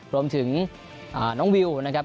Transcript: รวมถึงน้องวิวนะครับ